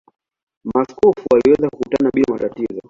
Maaskofu waliweza kukutana bila matatizo.